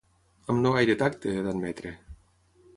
Amb no gaire tacte, he d'admetre.